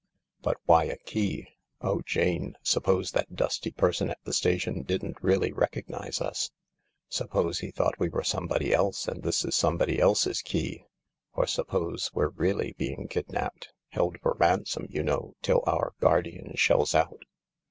"But why a key? Oh, Jane, suppose that dusty person at the station didn't really recognise us ? Suppose he thought we were somebody else, and this is somebody ebe's key? Or suppose we're really being kidnapped? Held for ransom, you know, till our guardian shells out